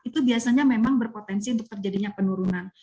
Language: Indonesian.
itu biasanya memang berpotensi untuk terjadinya penurunan